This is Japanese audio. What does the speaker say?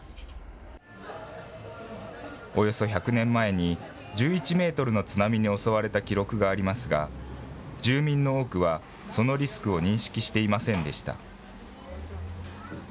およそ１００年前に、１１メートルの津波に襲われた記録がありますが、住民の多くは、そのリスクを認識していませんでした。